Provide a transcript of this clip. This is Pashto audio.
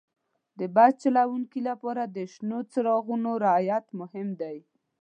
د بس چلوونکي لپاره د شنو څراغونو رعایت مهم دی.